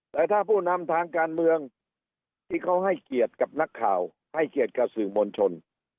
แต่ถ้าผู้นำทางการเมืองที่เขาให้เกียรติกับนักข่าวให้เกียรติกับสื่อมวลชน